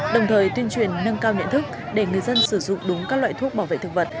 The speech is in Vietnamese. đồng thời tuyên truyền nâng cao nhận thức để người dân sử dụng đúng các loại thuốc bảo vệ thực vật